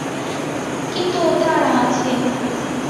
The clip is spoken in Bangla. কিন্তু ওতে আরাম আছে।